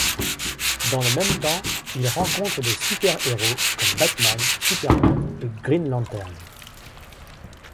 Dans le même temps, il rencontre des super-héros comme Batman, Superman et Green Lantern.